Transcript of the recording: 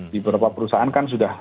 di beberapa perusahaan kan sudah